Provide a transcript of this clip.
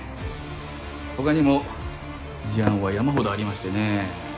他にも事案は山ほどありましてね。